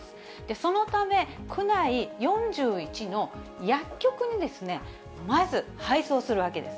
そのため、区内４１の薬局にまず、配送するわけです。